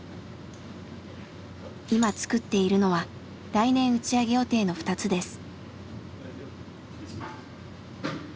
今作っているのは来年打ち上げ予定の２つです。